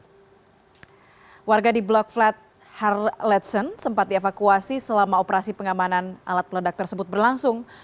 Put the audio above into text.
keluarga di blok flat harledson sempat dievakuasi selama operasi pengamanan alat peledak tersebut berlangsung